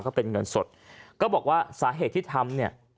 ก็เป็นเงินสดก็บอกว่าสาเหตุที่ทำเนี่ย